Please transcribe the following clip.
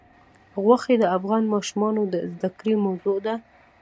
غوښې د افغان ماشومانو د زده کړې موضوع ده.